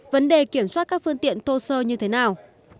vấn đề kiểm soát các phương tiện tô sơ như thế nào